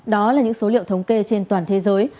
đó là những số liệu thống kê trên toàn thế giới